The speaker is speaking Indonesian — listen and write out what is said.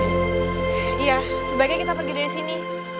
iya sebaiknya kita pergi dari sini